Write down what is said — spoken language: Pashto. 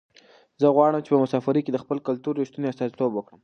زه غواړم چې په مسافرۍ کې د خپل کلتور رښتنې استازیتوب وکړم.